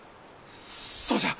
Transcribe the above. そうじゃ！